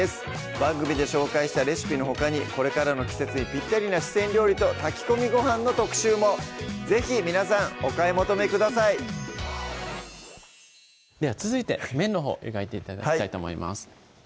番組で紹介したレシピのほかにこれからの季節にぴったりな四川料理と炊き込みごはんの特集も是非皆さんお買い求めくださいでは続いて麺のほう湯がいて頂きたいと思います